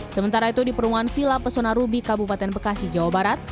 sementara itu di perumahan villa pesona rubi kabupaten bekasi jawa barat